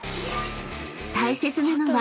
［大切なのは］